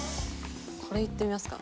これいってみますか？